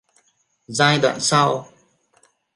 Giai đoạn sau